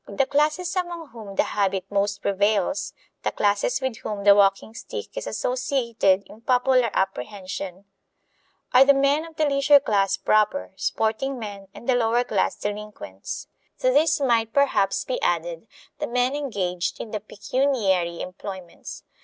The classes among whom the habit most prevails the classes with whom the walking stick is associated in popular apprehension are the men of the leisure class proper, sporting men, and the lower class delinquents. To these might perhaps be added the men engaged in the pecuniary employments.